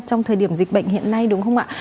trong thời điểm dịch bệnh hiện nay đúng không ạ